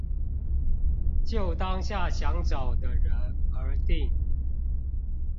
就當下想找的人而定